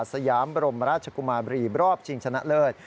สยามบรมราชกุมาบรีรอบชิงชนะเลิศ